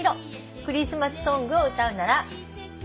「クリスマスソングを歌うなら」